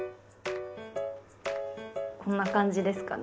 こんな感じですかね？